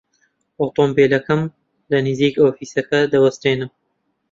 ئۆتۆمۆمبیلەکەم لە نزیک ئۆفیسەکە دەوەستێنم.